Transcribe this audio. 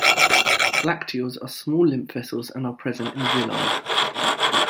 Lacteals are small lymph vessels, and are present in villi.